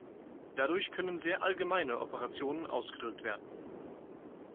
Dadurch können sehr allgemeine Operationen ausgedrückt werden.